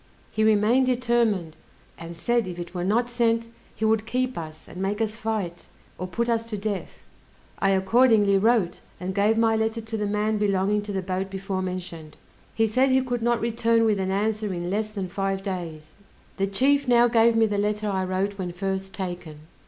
He remained determined, and said if it were not sent, he would keep us, and make us fight, or put us to death. I accordingly wrote, and gave my letter to the man belonging to the boat before mentioned. He said he could not return with an answer in less than five days. The chief now gave me the letter I wrote when first taken.